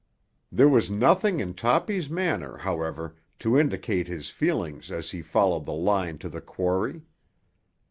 There was nothing in Toppy's manner, however, to indicate his feelings as he followed the line to the quarry.